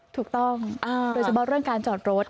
ถูกต้องโดยเฉพาะเรื่องการจอดรถ